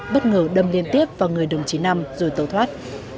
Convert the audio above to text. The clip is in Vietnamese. bất ngờ đâm liên tiếp vào người đồng chí năm rồi tẩu thoát